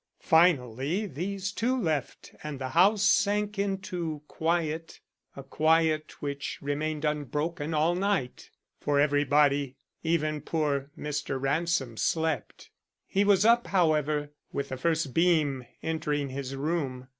Finally these too left and the house sank into quiet, a quiet which remained unbroken all night; for everybody, even poor Mr. Ransom, slept. He was up, however, with the first beam entering his room.